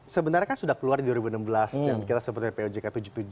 sebenarnya kan sudah keluar di dua ribu enam belas yang kita sebut dari pojk tujuh puluh tujuh